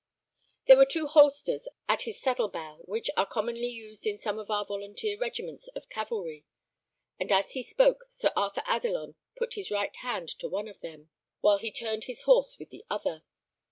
There were two holsters at his saddle bow, such as are commonly used in some of our volunteer regiments of cavalry; and as he spoke, Sir Arthur Adelon put his right hand to one of them, while he turned his horse with the other.